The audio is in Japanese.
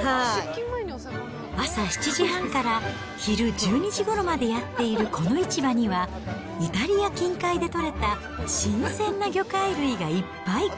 朝７時半から昼１２時ごろまでやっているこの市場には、イタリア近海で取れた新鮮な魚介類がいっぱい。